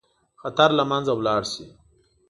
خطر له منځه ولاړ شي.